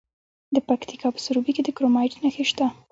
د پکتیکا په سروبي کې د کرومایټ نښې شته.